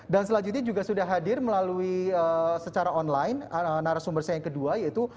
dan selanjutnya juga sudah hadir melalui secara online narasumber saya yang kedua yaitu